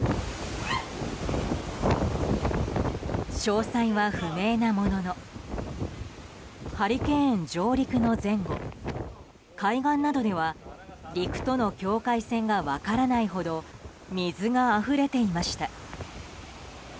詳細は不明なもののハリケーン上陸の前後海岸などでは陸との境界線が分からないほど水があふれていました。